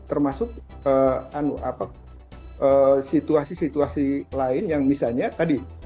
termasuk situasi situasi lain yang misalnya tadi